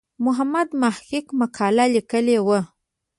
محمد محق مقاله لیکلې وه.